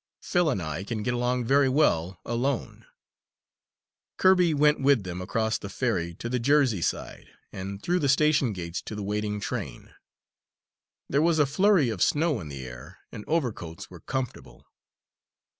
Phil and I can get along very well alone." Kirby went with them across the ferry to the Jersey side, and through the station gates to the waiting train. There was a flurry of snow in the air, and overcoats were comfortable.